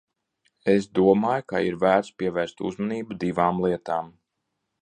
Es domāju, ka ir vērts pievērst uzmanību divām lietām.